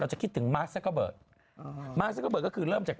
เราจะคิดถึงมาร์คซักเกอร์เบิร์ด